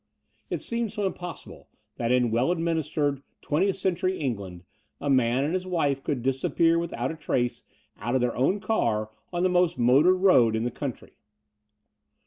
It seemed so impossible that in well administered, twentieth century England a man and his wife cotdd disappear without a trace out of their own car on the most motored road in the country.